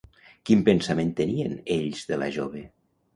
Quin pensament tenien ells de la jove?